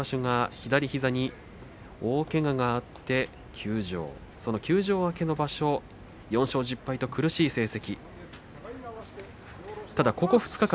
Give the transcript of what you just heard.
左膝に大けががあって休場休場明けの場所４勝１０敗と苦しい成績。